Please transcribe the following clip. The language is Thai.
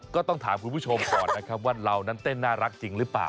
ก็ต้องถามคุณผู้ชมก่อนนะครับว่าเรานั้นเต้นน่ารักจริงหรือเปล่า